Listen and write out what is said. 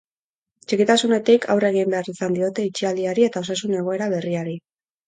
Txikitasunetik, aurre egin behar izan diote itxialdiari eta osasun-egoera berriari.